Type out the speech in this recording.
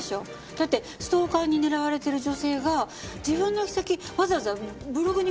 だってストーカーに狙われてる女性が自分の行き先わざわざブログに書くわけないし。